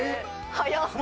早っ。